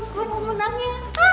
gue mau menang ya